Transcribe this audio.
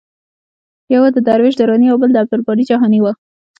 یو د درویش دراني او بل د عبدالباري جهاني و.